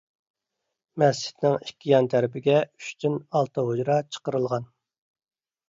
مەسچىتنىڭ ئىككى يان تەرىپىگە ئۈچتىن ئالتە ھۇجرا چىقىرىلغان.